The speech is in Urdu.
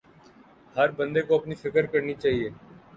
ہر بندے کو اپنی فکر کرنی چاہئے